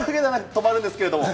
とまるんですけれども。